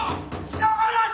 「人殺し！」。